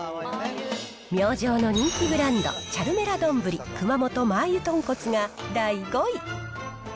明星の人気ブランド、チャルメラどんぶり熊本マー油とんこつが第５位。